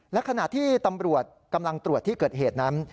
และขณะที่ตำรวจกำลังตรวจที่เกิดเหตุนั้น